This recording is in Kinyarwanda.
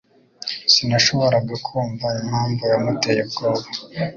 Sinashoboraga kumva impamvu yamuteye ubwoba